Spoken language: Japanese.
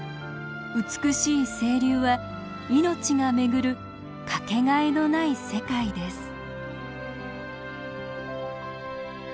美しい清流は命が巡るかけがえのない世界です。